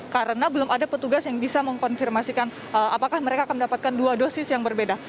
karena belum ada petugas yang bisa mengkonfirmasikan apakah mereka akan mendapatkan dua dosis yang berbeda